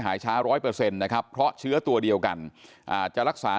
หายช้าร้อยเปอร์เซ็นต์นะครับเพราะเชื้อตัวเดียวกันจะรักษา